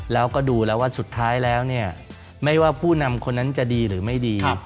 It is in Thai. แล้วก็ดูแล้วว่าสุดท้ายแล้วเนี่ยไม่ว่าผู้นำคนนั้นจะดีหรือไม่ดี